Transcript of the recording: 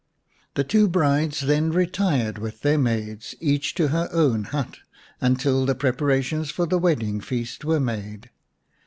The two brides then retired with their maids, each to her own hut, until the preparations for the wedding feast were made.